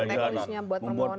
teknisnya buat pembohonan